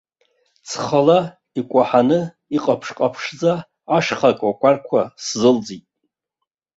Цхала икәаҳаны иҟаԥшь-ҟаԥшьӡа ашьха кәакәарқәа сзылӡит.